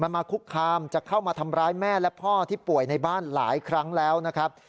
มาคุกคามจะเข้ามาทำร้ายแม่และพ่อที่ป่วยในบ้านหลายครั้งแล้วนะครับ